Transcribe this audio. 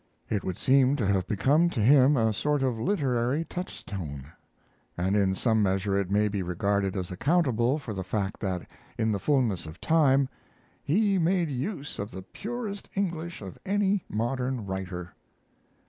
It would seem to have become to him a sort of literary touchstone; and in some measure it may be regarded as accountable for the fact that in the fullness of time "he made use of the purest English of any modern writer."